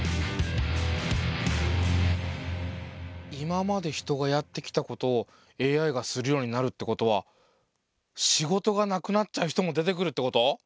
今まで人がやってきたことをＡＩがするようになるってことは仕事がなくなっちゃう人も出てくるってこと？